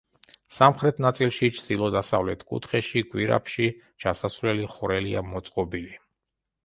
სამხრეთ ნაწილში, ჩრდილო-დასავლეთ კუთხეში, გვირაბში ჩასასვლელი ხვრელია მოწყობილი.